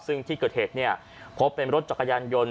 ซึ่งที่เกิดเหตุเนี้ยเขาเป็นรถจำขยายานยนต์